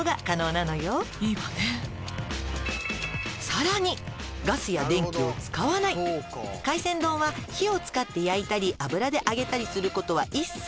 「さらにガスや電気を使わない」「海鮮丼は火を使って焼いたり油で揚げたりすることは一切なし」